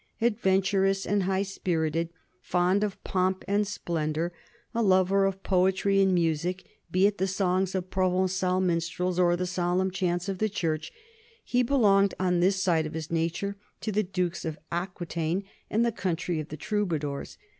Adventurous and high spirited, fond of pomp and splendor, a lover of poetry and music, be it the songs of Provencal minstrels or the solemn chants of the church, he belonged on this side of his nature to the dukes of Aquitaine and the country of the troubadours.